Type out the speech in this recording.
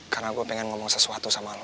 karena gue pengen ngomong sesuatu sama lo